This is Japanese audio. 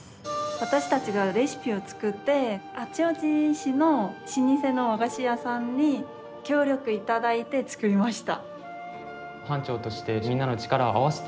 私たちがレシピを作って八王子市の老舗の和菓子屋さんに協力いただいて作りました。